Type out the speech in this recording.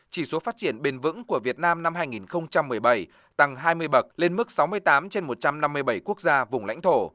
chỉ số phát triển bền vững của việt nam năm hai nghìn một mươi bảy tăng hai mươi bậc lên mức sáu mươi tám trên một trăm năm mươi bảy quốc gia vùng lãnh thổ